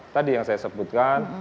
tadi yang saya sebutkan